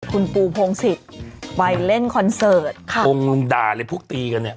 คุณปูพงศิษย์ไปเล่นคอนเสิร์ตค่ะพงด่าเลยพวกตีกันเนี่ย